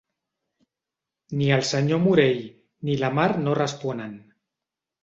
Ni el senyor Morell ni la Mar no responen.